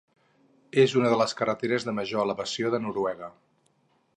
És una de les carreteres de major elevació de Noruega.